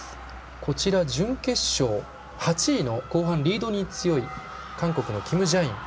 こちら、準決勝８位の後半、リードに強い韓国のキム・ジャイン。